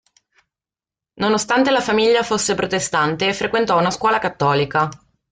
Nonostante la famiglia fosse protestante, frequentò una scuola cattolica.